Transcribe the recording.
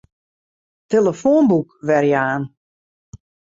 Tillefoanboek werjaan.